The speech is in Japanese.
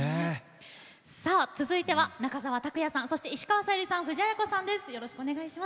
続いては、中澤卓也さん石川さゆりさん藤あや子さんです。